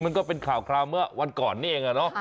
มันก็เป็นข่าวคราวเมื่อวันก่อนนี่เองอะเนาะ